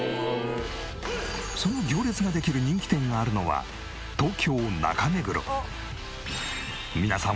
その行列ができる人気店があるのは東京中目黒。